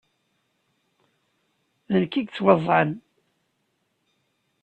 D nekk ay yettwaẓẓɛen.